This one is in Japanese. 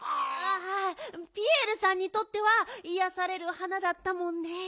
あピエールさんにとってはいやされる花だったもんね。